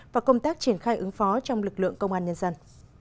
và công tác triển khai ứng phó trong lực lượng công an nhân dân